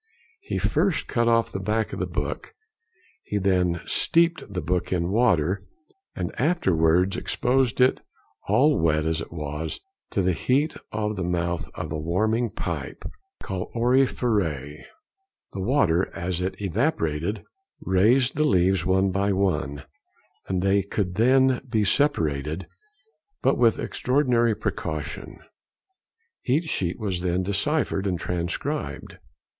"He first cut off the back of the book; he then steeped the book in water, and afterwards exposed it, all wet as it was, to the heat at the mouth of a warming pipe (calorifère). The water as it evaporated raised the leaves one by one, and they could be separated, but with extraordinary precaution. Each sheet was then deciphered and transcribed.